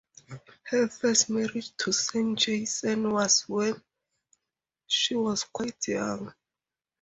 Her first marriage, to Sanjay Sen, was when she was quite young.